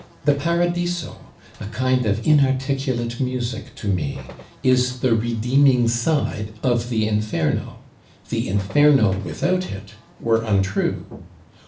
The 'Paradiso,' a kind of inarticulate music to me, is the redeeming side of the 'Inferno'; the 'Inferno' without it were untrue.